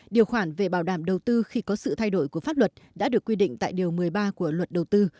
điều khoản về bảo đảm đầu tư khi có sự thay đổi của pháp luật đã được quy định tại điều một mươi ba của luật đầu tư